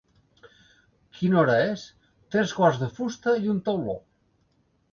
Quina hora és? —Tres quarts de fusta i un tauló.